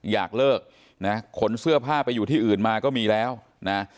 อยากเลิกนะขนเสื้อผ้าไปอยู่ที่อื่นมาก็มีแล้วนะ